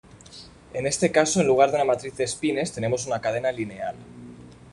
En este caso en lugar de una matriz de espines tenemos una cadena lineal.